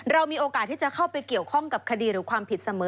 เรามีโอกาสที่จะเข้าไปเกี่ยวข้องกับคดีหรือความผิดเสมอ